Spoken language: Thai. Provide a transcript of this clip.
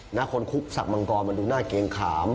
หน้าคนคุกสักมังกรมันดูหน้าเกงขาม